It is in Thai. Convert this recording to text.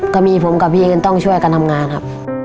ก็มีผมกับพี่ก็ต้องช่วยกันทำงานครับ